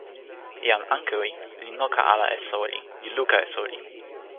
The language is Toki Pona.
jan Ankewi li noka ala e soweli, li luka e soweli.